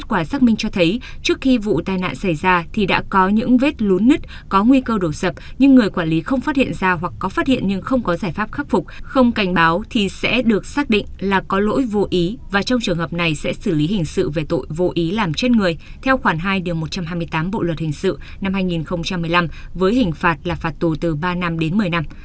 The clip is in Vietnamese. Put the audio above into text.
trước khi vụ tai nạn xảy ra thì đã có những vết lún nứt có nguy cơ đổ sập nhưng người quản lý không phát hiện ra hoặc có phát hiện nhưng không có giải pháp khắc phục không cảnh báo thì sẽ được xác định là có lỗi vô ý và trong trường hợp này sẽ xử lý hình sự về tội vô ý làm chết người theo khoản hai một trăm hai mươi tám bộ luật hình sự năm hai nghìn một mươi năm với hình phạt là phạt tù từ ba năm đến một mươi năm